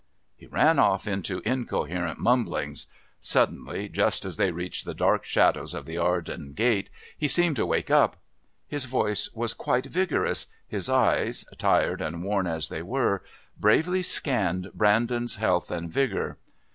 He ran off into incoherent mumblings. Suddenly, just as they reached the dark shadows of the Arden Gate, he seemed to wake up. His voice was quite vigorous, his eyes, tired and worn as they were, bravely scanned Brandon's health and vigour.